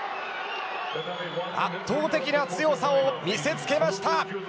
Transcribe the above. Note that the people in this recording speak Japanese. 圧倒的な強さを見せつけました。